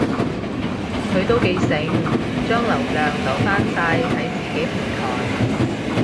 佢都幾醒，將流量留返晒喺自己平台